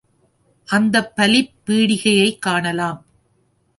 அந்தப் பலிப் பீடிகையைக் காணலாம்.